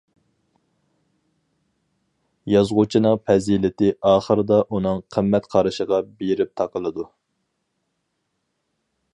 يازغۇچىنىڭ پەزىلىتى ئاخىردا ئۇنىڭ قىممەت قارىشىغا بېرىپ تاقىلىدۇ.